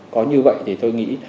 có như vậy thì tôi nghĩ